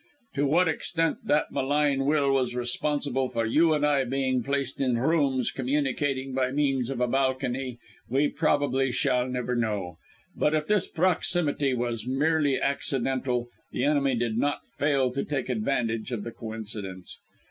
To what extent that malign will was responsible for you and I being placed in rooms communicating by means of a balcony, we probably shall never know; but if this proximity was merely accidental, the enemy did not fail to take advantage of the coincidence.